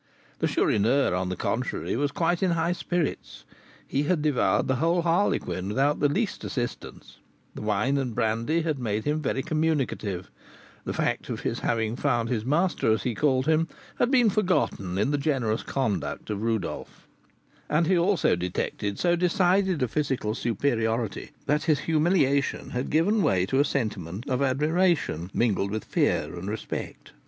The Chourineur, on the contrary, was quite in high spirits; he had devoured the whole harlequin without the least assistance; the wine and brandy had made him very communicative; the fact of his having found his master, as he called him, had been forgotten in the generous conduct of Rodolph; and he also detected so decided a physical superiority, that his humiliation had given way to a sentiment of admiration, mingled with fear and respect.